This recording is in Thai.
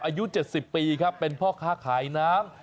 อายุ๗๐ปีครับเป็นพ่อค้าขายน้ำ